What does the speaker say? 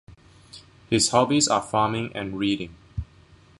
His hobbies are farming and reading.